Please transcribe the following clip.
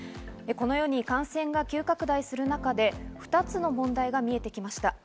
このように感染が急拡大する中で２つの問題が見えてきました。